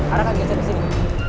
arahkan ke atas sini